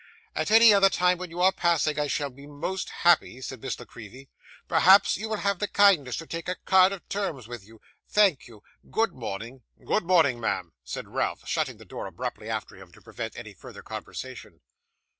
'At any other time when you are passing, I shall be most happy,' said Miss La Creevy. 'Perhaps you will have the kindness to take a card of terms with you? Thank you good morning!' 'Good morning, ma'am,' said Ralph, shutting the door abruptly after him to prevent any further conversation.